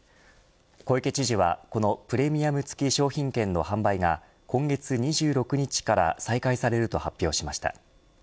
小池知事はこのプレミアム付き商品券の販売が今月２６日から再開されると発表しました。